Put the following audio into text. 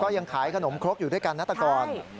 ก็ยังขายขนมเคราะห์อยู่ด้วยกันภัทรกร